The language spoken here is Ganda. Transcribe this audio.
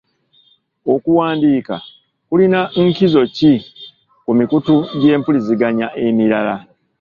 Okuwandiika kulina nkizo ki ku mikutu gy'empuliziganya emirala?